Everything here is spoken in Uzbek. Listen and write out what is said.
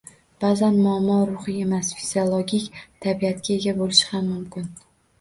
Ba’zan muammo ruhiy emas, fiziologik tabiatga ega bo‘lishi ham mumkin.